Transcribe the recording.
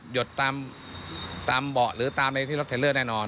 หยุดตามเบาะหรือตามอะไรที่รถเทลเลอร์แน่นอน